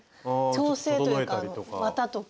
調整というか綿とか。